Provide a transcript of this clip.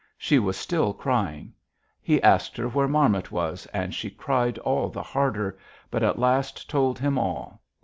She was still crying. He asked her where Marmot was, and she cried all the harder, but at last told him all.